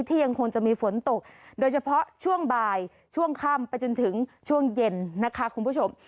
ยังคงจะมีฝนตกโดยเฉพาะช่วงบ่ายช่วงค่ำไปจนถึงช่วงเย็นนะคะคุณผู้ชม